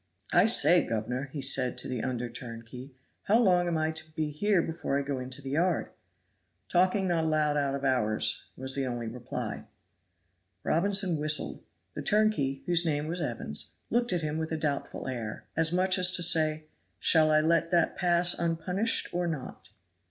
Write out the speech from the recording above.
"I say, guv'nor," said he to the under turnkey, "how long am I to be here before I go into the yard?" "Talking not allowed out of hours," was the only reply. Robinson whistled. The turnkey, whose name was Evans, looked at him with a doubtful air, as much as to say, "Shall I let that pass unpunished or not?"